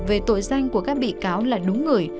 về tội danh của các bị cáo là đúng người